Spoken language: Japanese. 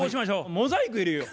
モザイク入れよう。